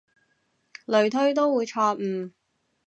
類推都會錯誤